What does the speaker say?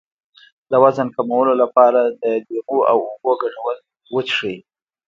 د وزن کمولو لپاره د لیمو او اوبو ګډول وڅښئ